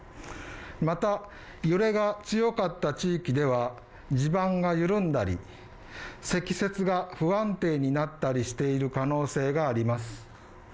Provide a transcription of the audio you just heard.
また、揺れが強かった地域では地盤が緩んだり、積雪が不安定になったりしている可能性があります。